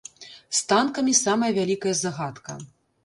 З танкамі самая вялікая загадка.